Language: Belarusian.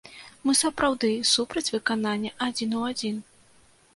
Мы сапраўды супраць выканання адзін у адзін.